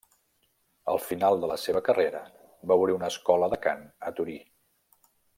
Al final de la seva carrera, va obrir una escola de cant a Torí.